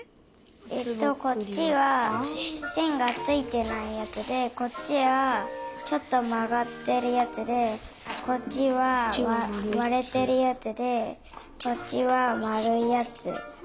えっとこっちはせんがついてないやつでこっちはちょっとまがってるやつでこっちはわれてるやつでこっちはまるいやつ。